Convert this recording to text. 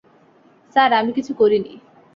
Sir, আমি কিছু করিনি।